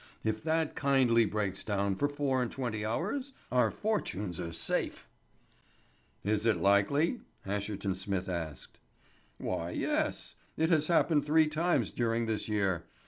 If that kindly breaks down for four and twenty hours, our fortunes are safe." "Is it likely?" Asherton Smith asked. "Why, yes. It has happened three times during this year.